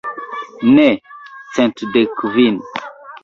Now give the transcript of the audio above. Ne, cent dek kvin.